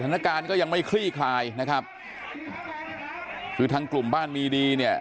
สถานการณ์ก็ยังไม่คลี่คลายนะครับคือทางกลุ่มบ้านมีดีเนี่ย